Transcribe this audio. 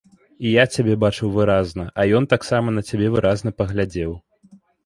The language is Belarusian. І я цябе бачыў выразна, а ён таксама на цябе выразна паглядзеў.